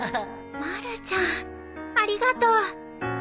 まるちゃんありがとう。